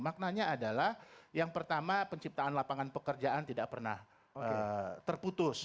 maknanya adalah yang pertama penciptaan lapangan pekerjaan tidak pernah terputus